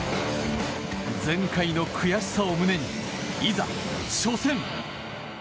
前回の悔しさを胸にいざ、初戦！